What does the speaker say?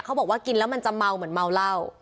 บอกว่ากินแล้วมันจะเมาเหมือนเมาเหล้า